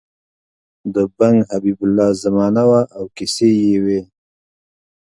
د بنګ حبیب الله زمانه وه او کیسې یې وې.